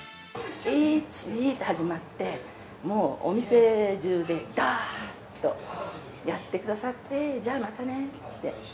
１、２って始まって、もう、お店中でダー！とやってくださって、じゃあ、またねって。